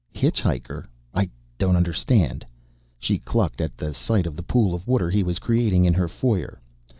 "Hitchhiker? I don't understand." She clucked at the sight of the pool of water he was creating in her foyer.